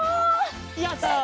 やった！